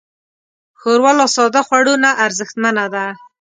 ښوروا له ساده خوړو نه ارزښتمنه ده.